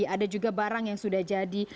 ada juga barang yang sudah jadi